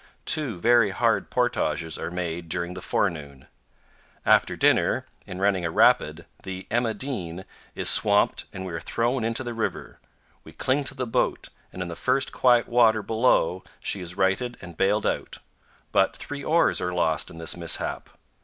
Two very hard portages are made during the forenoon. After dinner, in running a rapid, the "Emma Dean" is swamped and we are thrown into the river; we cling to the boat, and in the first quiet water below she is righted and bailed out; but three oars are lost in this mishap.